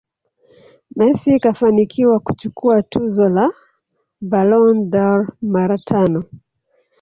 Messi kafanikiwa kuchukua tuzo za Ballon dâOr mara tano